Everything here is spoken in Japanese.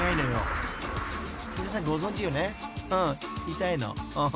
痛いの］